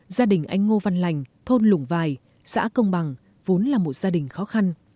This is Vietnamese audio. gia đình anh ngô văn lành thôn lũng vài xã công bằng vốn là một gia đình khó khăn